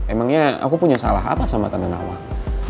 emangnya aku punya salah apa sama tanda nawang